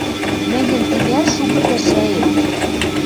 Мӹньӹн тинӓр шукы пӓшӓэм!